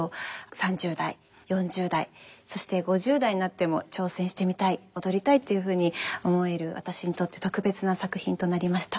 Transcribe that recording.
３０代４０代そして５０代になっても挑戦してみたい踊りたいっていうふうに思える私にとって特別な作品となりました。